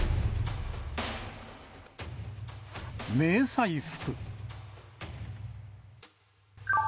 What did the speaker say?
迷彩服。